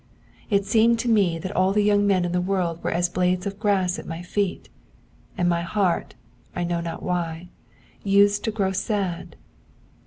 It seemed to me that all the young men in the world were as blades of grass at my feet; and my heart, I know not why, used to grow sad.